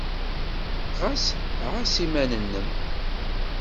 Ɣas ɛass iman-nnem!